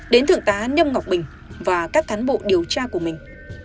đến thượng tá nhâm ngọc bình và các cán bộ điều tra của mình